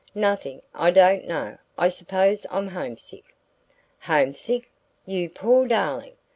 "Nothing...I don't know...I suppose I'm homesick..." "Homesick? You poor darling!